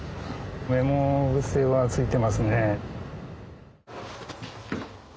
メモ癖はついてますね。